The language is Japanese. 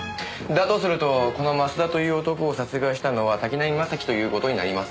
だとするとこの増田という男を殺害したのは滝浪正輝という事になります。